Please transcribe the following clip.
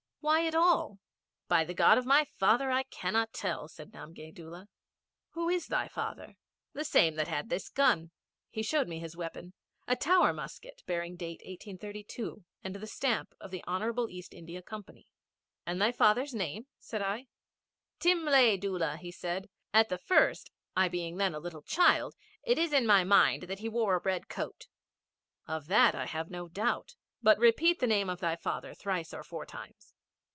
Why at all?' 'By the God of my father I cannot tell,' said Namgay Doola. 'And who was thy father?' 'The same that had this gun.' He showed me his weapon a Tower musket bearing date 1832 and the stamp of the Honourable East India Company. 'And thy father's name?' said I. 'Timlay Doola,' said he. 'At the first, I being then a little child, it is in my mind that he wore a red coat.' 'Of that I have no doubt. But repeat the name of thy father thrice or four times.'